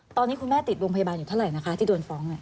ตอนนี้คุณแม่ติดโรงพยาบาลอยู่เท่าไหร่นะคะที่โดนฟ้อง